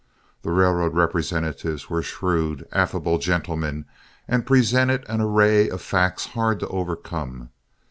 The railroad representatives were shrewd, affable gentlemen, and presented an array of facts hard to overcome.